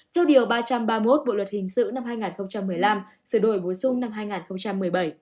theo điều ba trăm ba mươi một bộ luật hình sự năm hai nghìn một mươi năm sửa đổi bổ sung năm hai nghìn một mươi bảy